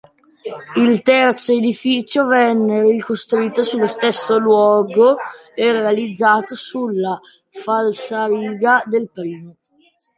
Il terzo edificio venne ricostruito sullo stesso luogo e realizzato sulla falsariga del primo.